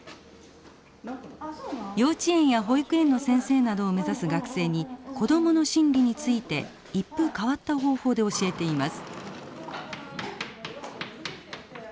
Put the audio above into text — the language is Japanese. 幼稚園や保育園の先生などを目指す学生に子供の心理について一風変わった方法で教えています。